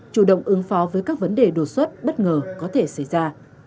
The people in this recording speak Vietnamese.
chủ động ứng phó với các vấn đề đột xuất bất ngờ có thể xảy ra